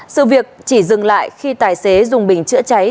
sự việc chỉ dừng lại khi tài xế dùng bình chữa cháy